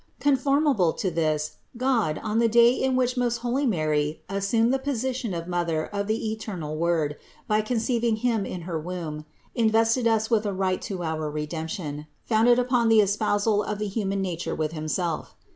162. Conformably to this, God, on the day in which most holy Mary assumed the position of Mother of the eternal Word by conceiving Him in Her womb, invested us with a right to our Redemption, founded upon the espousal of the human nature with Himself.